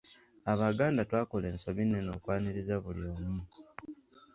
Abaganda twakola ensobi nnene okwaniriza buli omu.